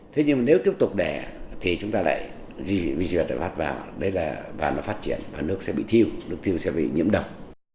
thế nhưng mà nếu tiếp tục để thì chúng ta lại diệt được vi sinh vật và phát triển và nước sẽ bị thiêu nước thiêu sẽ bị nhiễm độc